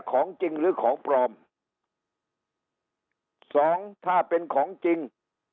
ของจริงหรือของปลอมสองถ้าเป็นของจริง